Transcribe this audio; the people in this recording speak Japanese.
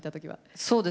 そうですね